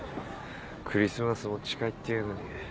クリスマスも近いっていうのに。